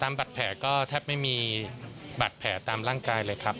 บัตรแผลก็แทบไม่มีบาดแผลตามร่างกายเลยครับ